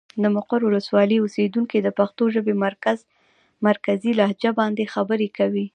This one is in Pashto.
د مقر ولسوالي اوسېدونکي د پښتو ژبې مرکزي لهجه باندې خبرې کوي.